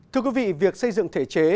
thưa quý vị việc xây dựng thể chế